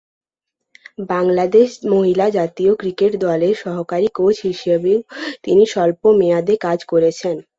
বাংলাদেশ মহিলা জাতীয় ক্রিকেট দলের সহকারী কোচ হিসাবেও তিনি স্বল্প মেয়াদে কাজ করেছেন।